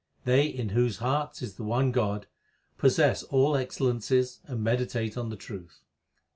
They in whose hearts is the one God, Possess all excellences and meditate on the truth.